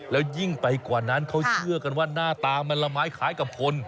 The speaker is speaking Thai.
แล้วยิ่งไปกว่านั้นเขาเชื่อกันว่าหน้าตามันละไม้คล้ายกับคน